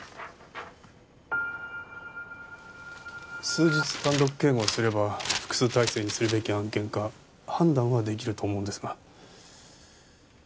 数日単独警護をすれば複数体制にするべき案件か判断は出来ると思うんですが。